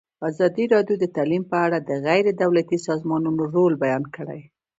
ازادي راډیو د تعلیم په اړه د غیر دولتي سازمانونو رول بیان کړی.